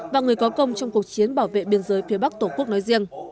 và người có công trong cuộc chiến bảo vệ biên giới phía bắc tổ quốc nói riêng